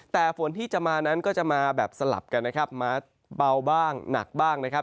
แต่ฝนที่จะมานั้นก็จะมาแบบสลับกันนะครับมาเบาบ้างหนักบ้างนะครับ